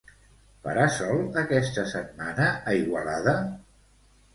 Farà sol aquesta setmana a Igualada?